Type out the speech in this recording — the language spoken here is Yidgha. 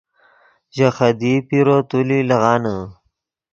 ژے خدیئی پیرو تولی لیغانے